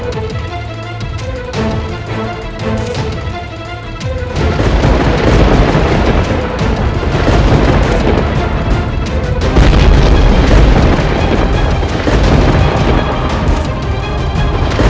dia tidak akan berguna